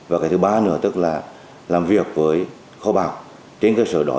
và cái thứ ba nữa tức là làm việc với kho bạc trên cơ sở đó